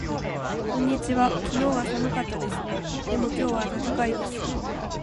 こんにちは。昨日は寒かったですね。でも今日は暖かいです。